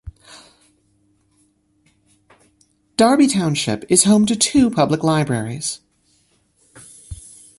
Darby Township is home to two public libraries.